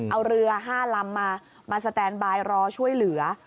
เอาเรือ๕ลำมามาสแตนบายรอช่วยเหลือ